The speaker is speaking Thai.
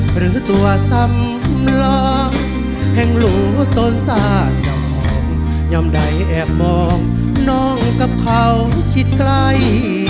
หรือตัวซ้ำลองแห่งหลูต้นทราบเจ้าของยำใดแอบมองน้องกับเขาชิดใกล้